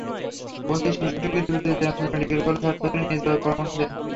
OC শিশুটিকে দ্রুত Dinajpur medical college হাসপাতালে নিয়ে যাওয়ার পরামর্শ দেন।